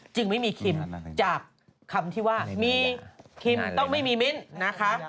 จึงไม่มีคิมจากคำที่ว่ามีคิมต้องไม่มีมิ้นนะคะ